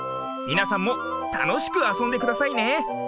みなさんもたのしくあそんでくださいね。